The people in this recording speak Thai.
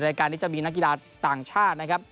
รายการนี้จะมีนักกีฬาต่างชาตินะครับ